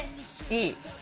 いい。